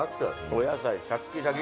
お野菜シャッキシャキ。